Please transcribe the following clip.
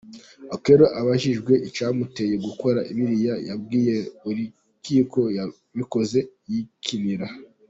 Okello abajijwe icyamuteye gukora biriya yabwiye urukiko yabikoze yikinira.